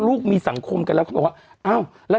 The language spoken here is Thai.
ลูกมีสังคมกันแล้ว